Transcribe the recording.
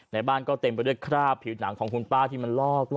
ในบ้านก็เต็มไปด้วยคราบผิวหนังของคุณป้าที่มันลอกล่อ